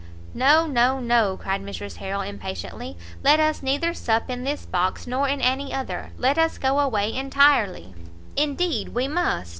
"No, no, no," cried Mrs Harrel impatiently, "let us neither sup in this box nor in any other; let us go away entirely." "Indeed we must!